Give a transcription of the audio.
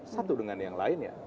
satu dengan yang lainnya